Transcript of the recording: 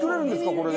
これで。